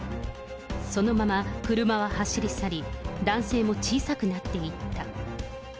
そのまま車は走り去り、男性も小さくなっていった。